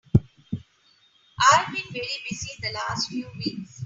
I've been very busy the last few weeks.